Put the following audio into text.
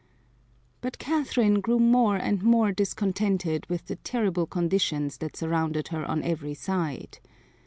But Catherine grew more and more discontented with the terrible conditions that surrounded her on every side.